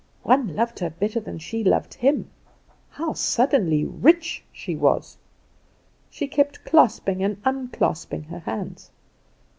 One loved her better than she loved him. How suddenly rich she was. She kept clasping and unclasping her hands.